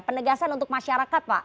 penegasan untuk masyarakat pak